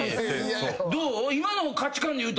どう？